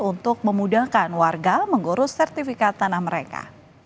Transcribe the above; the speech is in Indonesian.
untuk memudahkan warga mengurus sertifikat tanah mereka